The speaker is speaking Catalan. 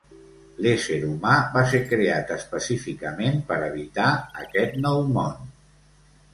L'ésser humà va ser creat específicament per habitar aquest nou món.